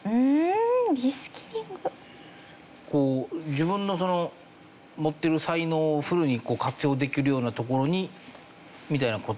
自分の持ってる才能をフルに活用できるようなところにみたいな事ですか？